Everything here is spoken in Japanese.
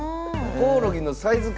コオロギのサイズ感